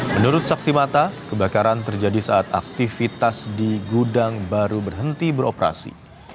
menurut saksi mata kebakaran terjadi saat aktivitas di gudang baru berhenti beroperasi